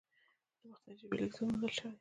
د باختري ژبې لیکدود موندل شوی